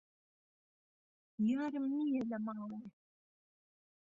یارم نیە لە ماڵێ